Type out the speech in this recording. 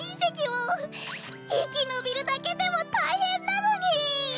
いきのびるだけでもたいへんなのに！